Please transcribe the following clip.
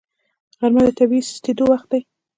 غرمه د طبیعي سستېدو وخت وي